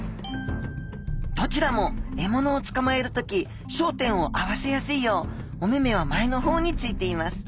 どちらも獲物をつかまえる時焦点を合わせやすいようお目目は前の方についています